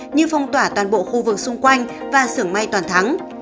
như phong tỏa toàn bộ khu vực xung quanh và sưởng may toàn thắng